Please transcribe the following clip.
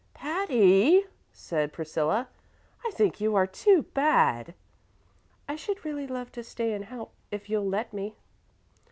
"Patty!" said Priscilla, "I think you are too bad." "I should really love to stay and help, if you'll let me."